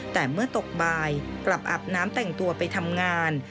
แต่เมื่อตกบ่ายกลับอาบน้ำแต่งตัวไปทำงาน